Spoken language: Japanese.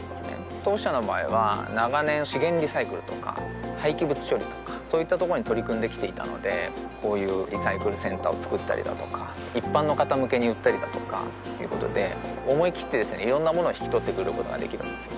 当社の場合は長年資源リサイクルとか廃棄物処理とかそういったところに取り組んできていたのでこういうリサイクルセンターを作ったりだとか一般の方向けに売ったりだとかということで思いきってですねいろんなものを引き取ってくることができるんですね